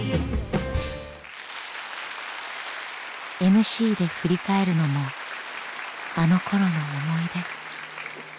ＭＣで振り返るのもあのころの思い出。